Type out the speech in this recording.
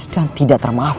dan tidak tersaingkan